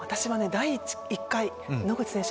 第１回野口選手